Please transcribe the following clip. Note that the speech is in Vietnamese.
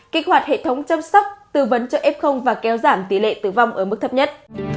kích hoạt hệ thống chăm sóc tư vấn cho f và kéo giảm tỷ lệ tử vong ở mức thấp nhất